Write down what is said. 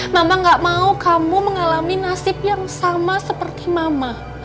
mama gak mau kamu mengalami nasib yang sama seperti mama